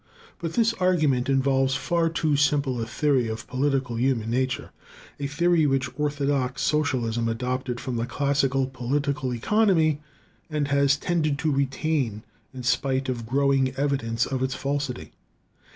But this argument involves far too simple a theory of political human nature a theory which orthodox socialism adopted from the classical political economy, and has tended to retain in spite of growing evidence of its falsity.